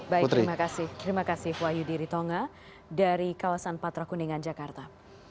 baik terima kasih terima kasih wah yudi ritonga dari kawasan patra kuningan jakarta